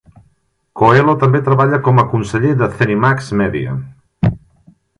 Coelho també treballa com a conseller de ZeniMax Media.